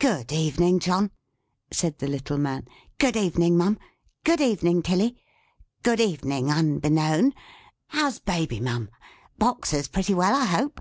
"Good evening John!" said the little man. "Good evening Mum. Good evening Tilly. Good evening Unbeknown! How's Baby Mum? Boxer's pretty well I hope?"